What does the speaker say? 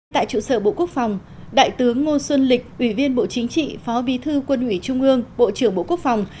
tại trụ sở bộ quốc phòng đại tướng ngô xuân lịch ủy viên bộ chính trị phó bí thư quân ủy trung ương bộ trưởng bộ quốc phòng